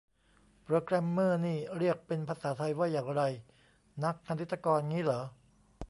โปรแกรมเมอร์นี่เรียกเป็นภาษาไทยว่าอย่างไร นักคณิตกร งี้เหรอ